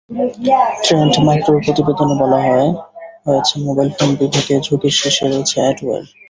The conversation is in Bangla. ট্রেন্ড মাইক্রোর প্রতিবেদনে বলা হয়েছে, মোবাইল ফোন বিভাগে ঝুঁকির শীর্ষে রয়েছে অ্যাডওয়্যার।